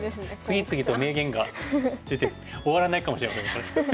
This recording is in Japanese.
次々と名言が出て終わらないかもしれません。